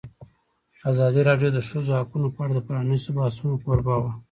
ازادي راډیو د د ښځو حقونه په اړه د پرانیستو بحثونو کوربه وه.